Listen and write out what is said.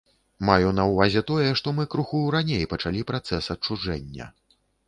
Маю на ўвазе тое, што мы крыху раней пачалі працэс адчужэння.